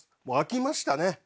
もう飽きましたね。